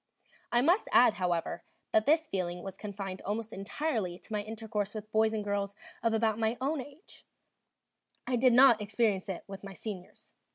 I must add, however, that this feeling was confined almost entirely to my intercourse with boys and girls of about my own age; I did not experience it with my seniors.